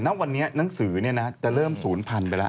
วันนี้เนี่ยนะเนังสือนึกที่จะเริ่มศูนย์พันก์ไปละ